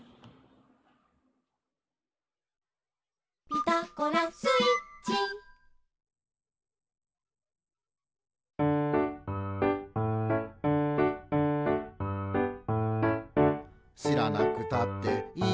「ピタゴラスイッチ」「しらなくたっていいことだけど」